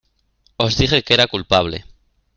Os dije que era culpable.